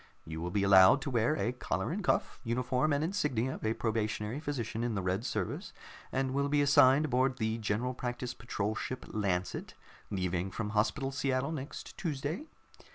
You will be allowed to wear a collar and cuff, uniform and insignia of a probationary physician, in the Red Service, and will be assigned aboard the General Practice Patrol ship Lancet, leaving from Hospital Seattle next Tuesday.